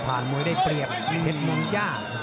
ผ่านมวยได้เปรียบเท็จมุงยาก